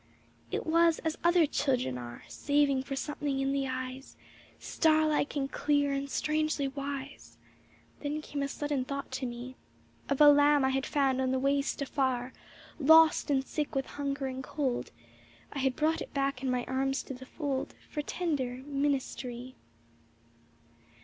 It was as other children are Saving for something in the eyes, Starlike and clear and strangely wise ŌĆö Then came a sudden thought to me Of a lamb I had found on the waste afar ; Lost and sick with hunger and cold, I had brought it back in my arms to the fold For tender ministry.